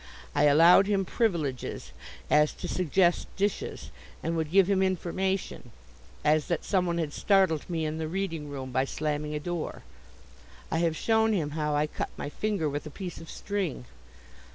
I allowed him privileges, as to suggest dishes, and would give him information, as that someone had startled me in the reading room by slamming a door. I have shown him how I cut my finger with a piece of string.